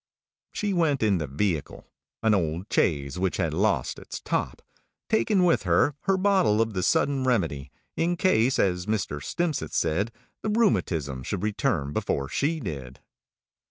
She went in the vehicle an old chaise which had lost its top taking with her her bottle of the Sudden Remedy, in case, as Mr. Stimpcett said, the rheumatism should return before she did.